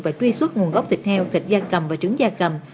và truy xuất nguồn gốc thịt heo thịt da cầm và trứng da cầm